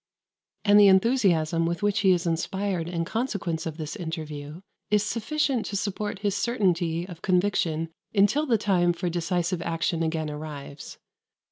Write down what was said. " and the enthusiasm with which he is inspired in consequence of this interview is sufficient to support his certainty of conviction until the time for decisive action again arrives.